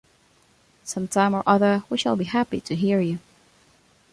Some time or other we shall be happy to hear you.